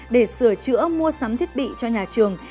để sửa chữa mua sắm thiết bị cho nhà trường